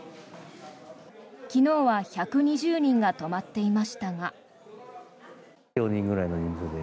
昨日は１２０人が泊まっていましたが。